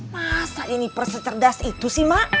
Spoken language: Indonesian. masa jennifer secerdas itu sih mak